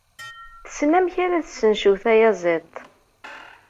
Tessen amek ara tessencew tayaziḍt.